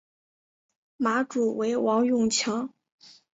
马主为王永强。